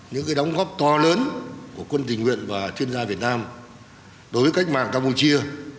những đóng góp to lớn của quân tình nguyện và chuyên gia việt nam đối với cách mạng campuchia